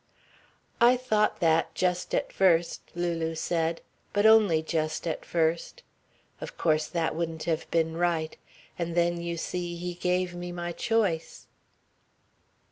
"I thought that, just at first," Lulu said, "but only just at first. Of course that wouldn't have been right. And then, you see, he gave me my choice."